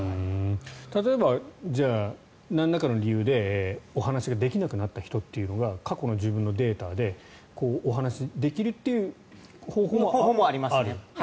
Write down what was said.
例えば、なんらかの理由でお話ができなくなった人とというのが過去の自分のデータでそれもありますね。